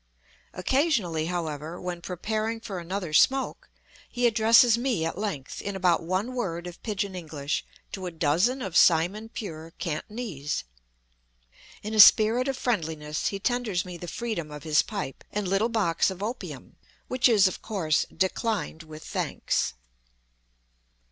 Occasionally, however, when preparing for another smoke, he addresses me at length in about one word of pidgin English to a dozen of simon pure Cantonese. In a spirit of friendliness he tenders me the freedom of his pipe and little box of opium, which is, of course, "declined with thanks."